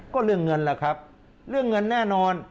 ก็เรื่องเงินล่ะครับเรื่องเงินแน่นอน